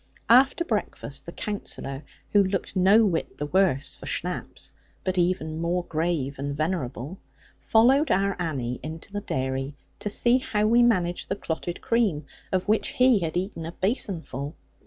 After breakfast, the Counsellor (who looked no whit the worse for schnapps, but even more grave and venerable) followed our Annie into the dairy, to see how we managed the clotted cream, of which he had eaten a basinful.